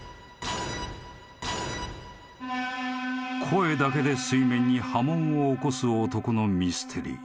［声だけで水面に波紋を起こす男のミステリー］